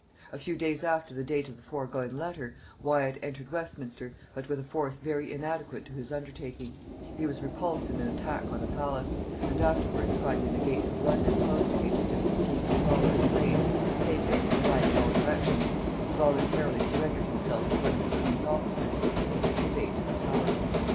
A few days after the date of the foregoing letter, Wyat entered Westminster, but with a force very inadequate to his undertaking: he was repulsed in an attack on the palace; and afterwards, finding the gates of London closed against him and seeing his followers slain, taken, or flying in all directions, he voluntarily surrendered himself to one of the queen's officers and was conveyed to the Tower.